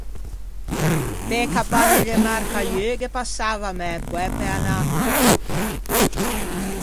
Pe-e Cabanne de Marcaieu ghe passava mæ poæ pe anâ à caccia.